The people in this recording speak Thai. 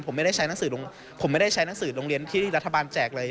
ผมไม่ได้ใช้หนังสือโรงเรียนที่รัฐบาลแจกเลย